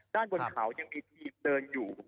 ด้านบนเขายังมีทีมเดินอยู่